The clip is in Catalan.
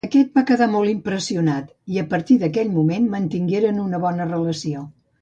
Aquest va quedar molt impressionat i a partir d’aquell moment mantingueren una bona relació.